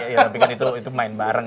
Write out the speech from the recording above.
ya tapi kan itu main bareng